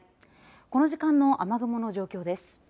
この時間の雨雲の状況です。